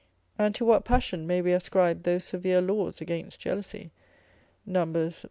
And to what passion may we ascribe those severe laws against jealousy, Num. v.